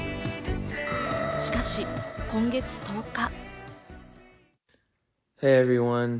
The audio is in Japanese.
しかし、今月１０日。